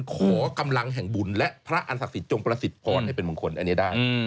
ขอกำลังแห่งบุญและพระอันศักดิ์จงประสิทธิพรให้เป็นมงคลอันนี้ได้